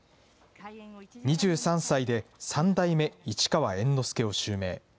２３歳で三代目市川猿之助を襲名。